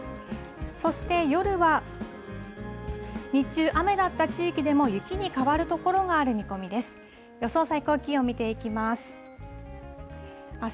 そして夜は、日中雨だった地域でも、雪に変わる所がある見込みです。